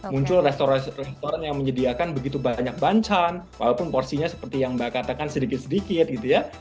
muncul restoran restoran yang menyediakan begitu banyak banchan walaupun porsinya seperti yang mbak katakan sedikit sedikit gitu ya